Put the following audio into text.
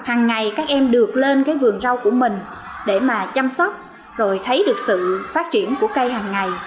hằng ngày các em được lên cái vườn rau của mình để mà chăm sóc rồi thấy được sự phát triển của cây hằng ngày